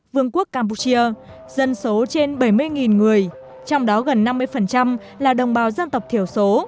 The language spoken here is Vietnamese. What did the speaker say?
vương quốc campuchia dân số trên bảy mươi người trong đó gần năm mươi là đồng bào dân tộc thiểu số